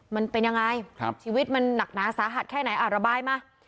มันเป็นยังไงชีวิตมันหนักหนาสาหัสแค่ไหนอ่ะระบายมา